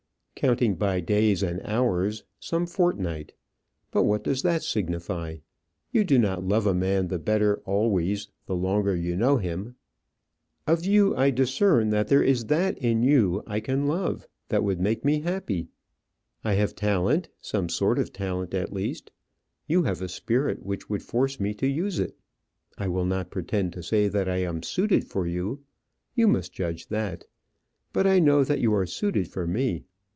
"Counting by days and hours, some fortnight. But what does that signify? You do not love a man the better always, the longer you know him. Of you, I discern that there is that in you I can love, that would make me happy. I have talent, some sort of talent at least. You have a spirit which would force me to use it. I will not pretend to say that I am suited for you. You must judge that. But I know that you are suited for me.